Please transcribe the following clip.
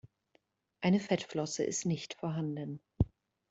Eine Fettflosse ist nicht vorhanden.